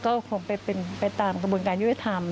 ก็คงเป็นไปตามกระบวนการยุติธรรม